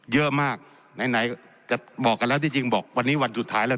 เยอะมากไหนจะบอกกันแล้วที่จริงบอกวันนี้วันสุดท้ายแล้ว